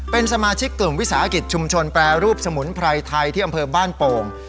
เป็นสมาชิกกลุ่มวิสาหกิจชุมชนแปรรูปสมุนไพรไทยที่อำเภอบ้านโป่ง